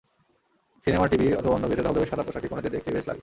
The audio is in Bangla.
সিনেমা, টিভি অথবা অন্য বিয়েতে ধবধবে সাদা পোশাকে কনেদের দেখতে বেশ লাগে।